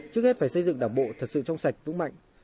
trước hết phải xây dựng đảng bộ thật sự trong sạch vững mạnh